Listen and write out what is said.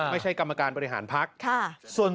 ไม่ใช่กรรมการบริหารพักษณ์